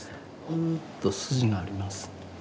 ふっと筋があります。